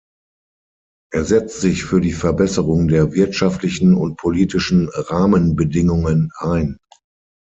Er setzt sich für die Verbesserung der wirtschaftlichen und politischen Rahmenbedingungen ein.